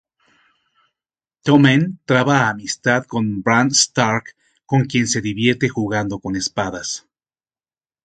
Tommen traba amistad con Bran Stark, con quien se divierte jugando con espadas.